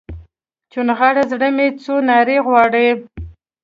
چونغره زړه مې څو نارې غواړي